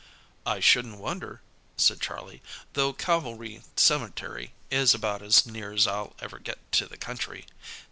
"I shouldn't wonder," said Charlie, "though Calvary cemetery is about as near's I'll ever get to the country.